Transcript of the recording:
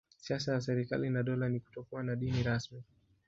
Siasa ya serikali na dola ni kutokuwa na dini rasmi.